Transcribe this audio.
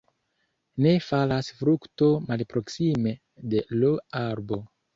Ne falas frukto malproksime de l' arbo.